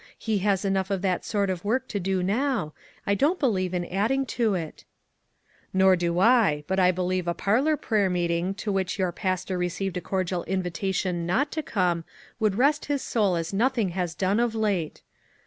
He has enough of that sort of work to do now ; I don't believe in adding to it." " Nor do I ; but I believe a parlor prayer meeting to which your pastor received a cordial invitation not to come would rest his soul as nothing has done of late.